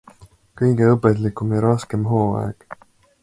Kõige õpetlikum ja raskem hooaeg.